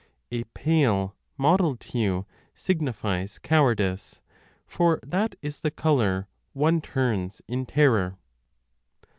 A pale mottled hue signifies cowardice, for that is the colour one turns in terror.